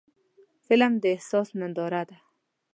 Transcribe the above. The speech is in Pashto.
فلم د احساس ننداره ده